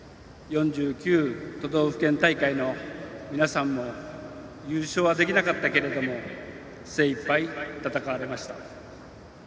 ４９都道府県大会の皆さんも優勝はできなかったけれども精いっぱい戦われました。